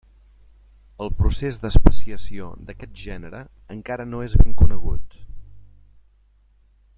El procés d'especiació d'aquest gènere encara no és ben conegut.